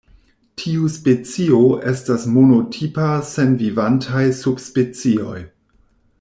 Tiu specio estas monotipa sen vivantaj subspecioj.